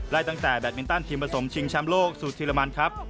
รายตั้งแต่แบตมินตันทีมผสมชิงชามโลกสุธิลมันครับ